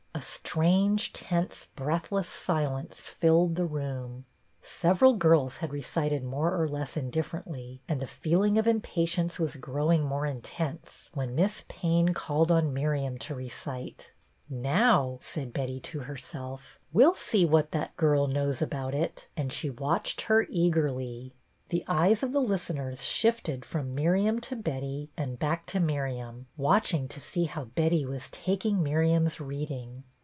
A strange, tense, breathless silence filled the room. Several girls had recited more or less in differently, and the feeling of impatience was growing more intense, when Miss Payne called on Miriam to recite. " Now," said Betty to herself, " we 'll see what that girl knows about it," and she watched her eagerly. The eyes of the listeners shifted from Miriam to Betty and back to Miriam, watch ing to see how Betty was taking Miriam's reading.